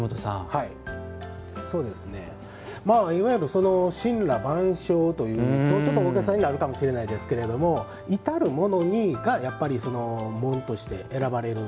いわゆる森羅万象という大げさになるかもしれないですけど、いたるものが紋として選ばれる。